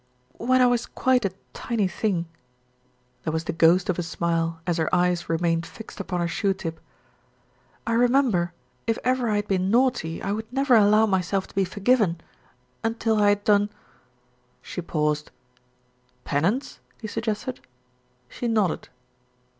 "When I was quite a tiny thing " there was the ERIC PRONOUNCES IT SPIF 341 ghost of a smile as her eyes remained fixed upon her shoe tip, "I remember if ever I had been naughty, I would never allow myself to be forgiven until I had done " She paused. "Penance?" he suggested. She nodded.